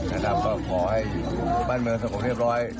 ขอให้บ้านเมืองสะกดเรียบร้อย